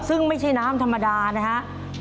ซึ่งไม่ใช่น้ำธรรมดานะครับ